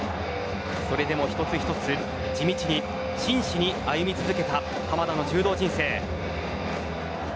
それでも一つ一つ、地道に真摯に歩み続けた濱田の柔道人生。